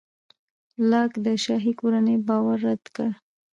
لاک د شاهي کورنیو باور رد کړ.